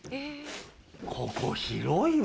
ここ広いわ。